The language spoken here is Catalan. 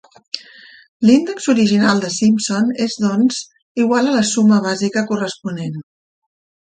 L'índex original de Simpson és, doncs, igual a la suma bàsica corresponent.